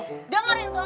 jadi lu yang beratakin